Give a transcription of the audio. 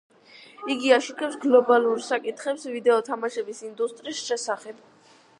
იგი აშუქებს გლობალურ საკითხებს ვიდეო თამაშების ინდუსტრიის შესახებ.